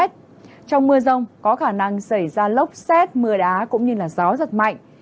trong mưa rông có khả năng xảy ra lốc xét mưa đá cũng như gió giật mạnh